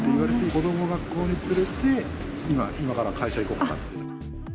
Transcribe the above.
子どもを学校に連れて、今から会社行こうかなっていう。